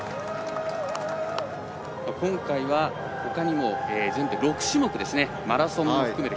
今回は、ほかにも全部で６種目マラソンも含めて。